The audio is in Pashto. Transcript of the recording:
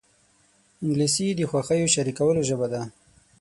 انګلیسي د خوښیو شریکولو ژبه ده